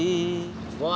jangan kau kotori